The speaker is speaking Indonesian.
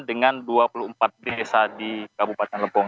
dengan dua puluh empat desa di kabupaten lebong